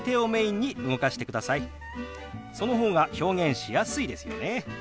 その方が表現しやすいですよね。